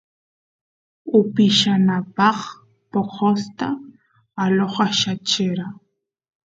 upiyanapaq poqosta alojayachera